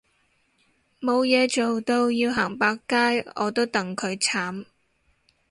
冇嘢做到要行百佳我都戥佢慘